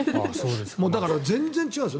だから全然違うんです。